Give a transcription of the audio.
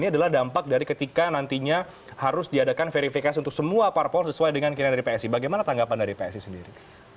ini adalah dampak dari ketika nantinya harus diadakan verifikasi untuk semua parpol sesuai dengan kinerja dari psi bagaimana tanggapan dari psi sendiri